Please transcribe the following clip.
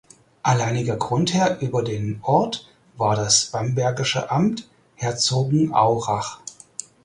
Alleiniger Grundherr über den Ort war das bambergische Amt Herzogenaurach.